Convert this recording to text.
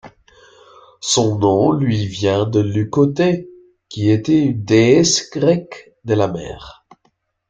Son nom lui vient de Leucothée, qui était une déesse grecque de la mer.